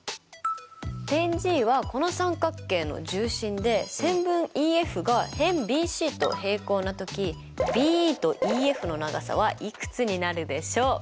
点Ｇはこの三角形の重心で線分ＥＦが辺ＢＣと平行な時ＢＥとＥＦの長さはいくつになるでしょう？